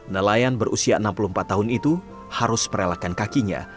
nelayan berusia enam puluh empat tahun itu harus merelakan kakinya